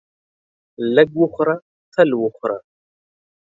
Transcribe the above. لږ وخوره تل وخوره.